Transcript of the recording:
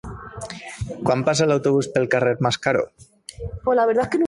Quan passa l'autobús pel carrer Mascaró?